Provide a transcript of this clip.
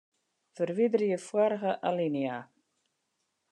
Ferwiderje foarige alinea.